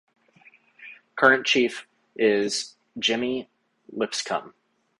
Current chief is Jimmy Lipscomb.